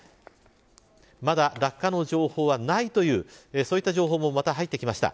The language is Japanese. まだ落下の情報はない、というそういった情報も入ってきました。